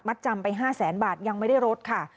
มัดจำไป๕๐๐๐๐๐๐บาทยังไม่ได้รถค่ะ